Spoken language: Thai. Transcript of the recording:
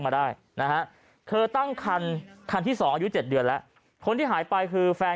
มาได้นะฮะเธอตั้งคันคันที่สองอายุเจ็ดเดือนแล้วคนที่หายไปคือแฟน